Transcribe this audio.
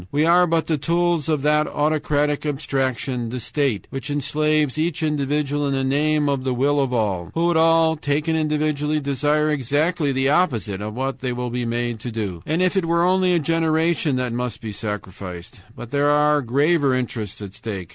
WE ARE BUT THE TOOLS OF THAT AUTOCRATIC ABSTRACTION THE STATE, WHICH ENSLAVES EACH INDIVIDUAL IN THE NAME OF THE WILL OF ALL, WHO WOULD ALL, TAKEN INDIVIDUALLY, DESIRE EXACTLY THE OPPOSITE OF WHAT THEY WILL BE MADE TO DO. "And if it were only a generation that must be sacrificed! But there are graver interests at stake.